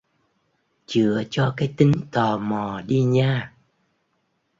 Chừa cho cái tính tò mò đi nha